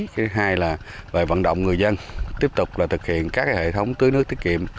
cái thứ hai là về vận động người dân tiếp tục thực hiện các hệ thống tưới nước tiết kiệm